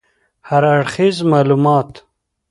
هراړخیز معلومات